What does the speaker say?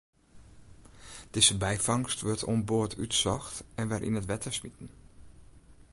Dizze byfangst wurdt oan board útsocht en wer yn it wetter smiten.